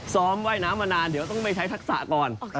ว่ายน้ำมานานเดี๋ยวต้องไปใช้ทักษะก่อน